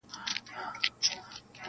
چي خبره د رښتیا سي هم ترخه سي-